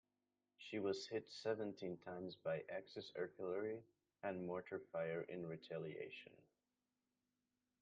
She was hit seventeen times by Axis artillery and mortar fire in retaliation.